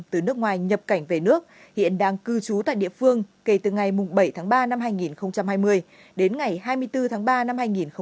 từ nước ngoài nhập cảnh về nước hiện đang cư trú tại địa phương kể từ ngày bảy tháng ba năm hai nghìn hai mươi đến ngày hai mươi bốn tháng ba năm hai nghìn hai mươi